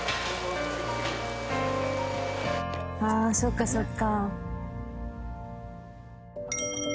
ああそっかそっか。